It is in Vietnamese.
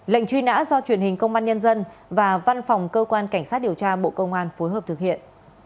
lệnh truy nã do truyền hình công an nhân dân và văn phòng cơ quan cảnh sát điều tra bộ công an phối hợp thực hiện